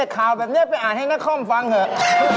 ข่าวแบบนี้ไปอ่านให้นครฟังเถอะ